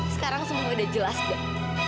sekarang semua udah jelas gak